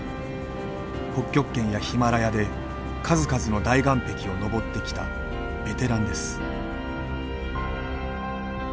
北極圏やヒマラヤで数々の大岩壁を登ってきたベテランです。